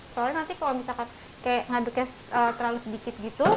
soalnya nanti kalau misalkan kayak ngaduknya terlalu sedikit gitu